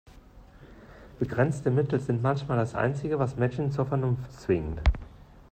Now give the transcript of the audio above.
Begrenzte Mittel sind manchmal das Einzige, was Menschen zur Vernunft zwingt.